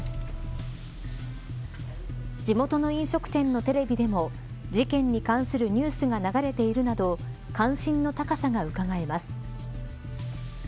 地元の飲食店のテレビでも事件に関するニュースが流れているなど関心の高さがうかがえます。